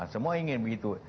semua ingin begitu